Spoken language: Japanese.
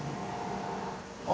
あ！